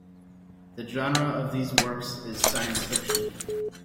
The genre of these works is science fiction.